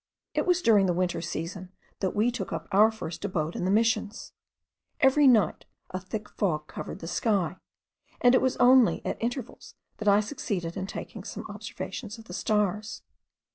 It was during the winter season that we took up our first abode in the Missions. Every night a thick fog covered the sky, and it was only at intervals that I succeeded in taking some observations of the stars.